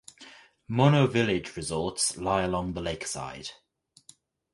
Mono Village resorts lie along the lakeside.